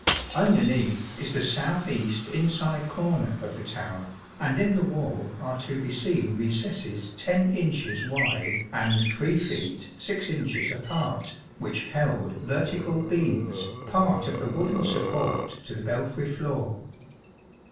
Underneath is the south east inside corner of the tower, and in the wall are to be seen recesses 10 incites wide and 3 feet 6 inches apart, which held vertical beams, part of the wooden support to the belfry floor.